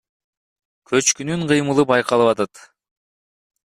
Көчкүнүн кыймылы байкалып атат.